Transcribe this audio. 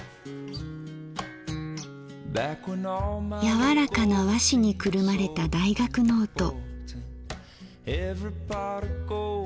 柔らかな和紙にくるまれた大学ノート。